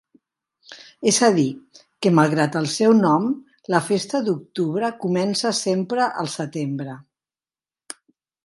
És a dir, que malgrat el seu nom, la festa d'octubre comença sempre al setembre.